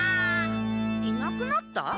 いなくなった？